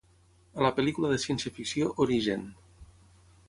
A la pel·lícula de ciència-ficció Origen